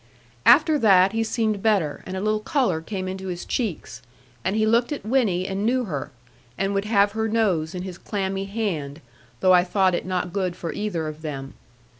After that he seemed better, and a little colour came into his cheeks; and he looked at Winnie and knew her; and would have her nose in his clammy hand, though I thought it not good for either of them.